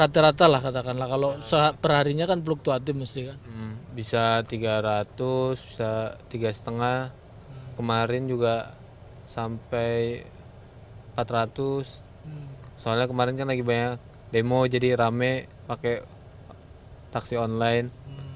tidak sampai empat ratus soalnya kemarin kan lagi banyak demo jadi rame pakai taksi online